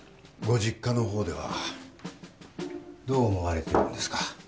実家のほうではどう思われてるんですか？